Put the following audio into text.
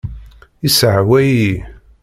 Yesseεyaw-iyi.